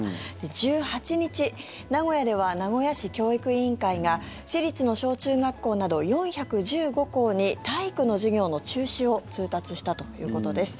１８日、名古屋では名古屋市教育委員会が市立の小中学校など４１５校に体育の授業の中止を通達したということです。